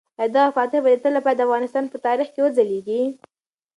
آیا دغه فاتح به د تل لپاره د افغانستان په تاریخ کې وځلیږي؟